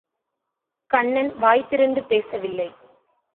கண்ணன் வாய் திறந்து பேசவில்லை.